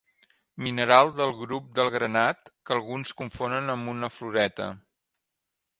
Mineral del grup del granat que alguns confonen amb una floreta.